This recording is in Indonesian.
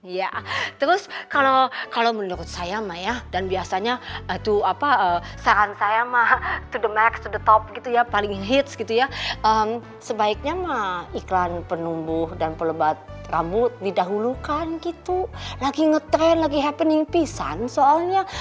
iya terus kalau menurut saya mah ya dan biasanya itu apa saran saya mah ke the max to the top gitu ya paling hits gitu ya sebaiknya mah iklan penumbuh dan pelebat rambut didahulukan gitu lagi ngetrend lagi happening pisan soalnya